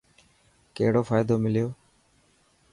ڪهڙو فائدو مليو؟